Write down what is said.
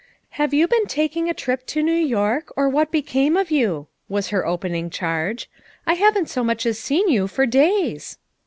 "Have yon been taking a trip to Xew York, or what became of yon?" was her opening charge* "I haven't so much as seen you for days."